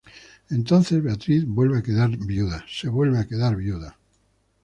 Entonces, Beatriz, vuelve a quedar Viuda.